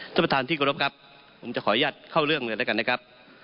ท่านประธานที่กรบครับผมจะขออนุญาตเข้าเรื่องเลยแล้วกันนะครับ